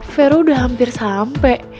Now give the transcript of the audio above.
vero udah hampir sampai